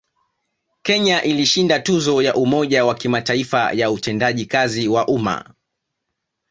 Kenya ilishinda tuzo ya Umoja wa Kimataifa ya Utendaji kazi wa Umma